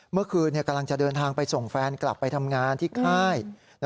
เมื่อคืนกำลังจะเดินทางไปส่งแฟนกลับไปทำงานที่ค่าย